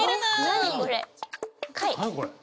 何これ。